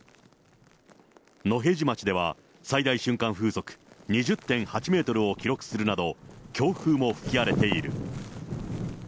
野辺地町では、最大瞬間風速２０．８メートルを記録するなど、強風も吹き荒れている。